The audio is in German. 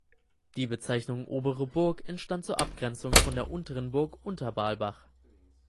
Die Bezeichnung "Obere Burg" entstand zur Abgrenzung von der Unteren Burg Unterbalbach.